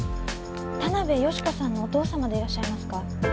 田辺佳子さんのお父様でいらっしゃいますか？